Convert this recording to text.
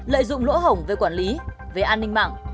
lợi dụng lỗ hồng về quản lý về an ninh mạng